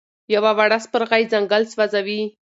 یوه وړه سپرغۍ ځنګل سوځوي.